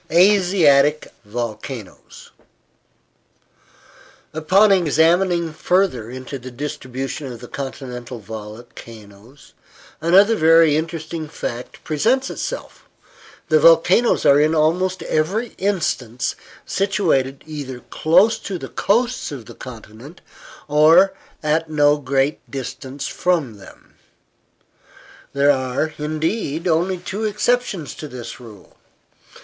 ASIATIC INLAND VOLCANOES Upon examining further into the distribution of the continental volcanoes, another very interesting fact presents itself. The volcanoes are in almost every instance situated either close to the coasts of the continent, or at no great distance from them. There are, indeed, only two exceptions to this rule.